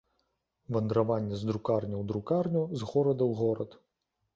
Вандраванне з друкарні ў друкарню, з горада ў горад.